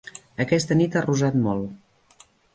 Aquesta nit ha rosat molt.